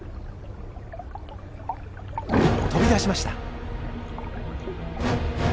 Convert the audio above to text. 飛び出しました。